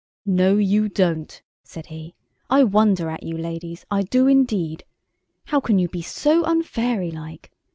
"No you don't!" said he. "I wonder at you, ladies, I do indeed. How can you be so unfairylike?